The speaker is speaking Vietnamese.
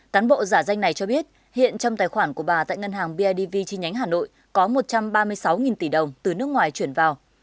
cán bộ giả danh này cho biết hiện trong tài khoản của bà tại ngân hàng bidv chi nhánh hà nội có một trăm ba mươi sáu tỷ đồng từ nước ngoài chuyển vào